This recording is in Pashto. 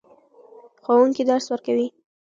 ښوونکي درس ورکوې.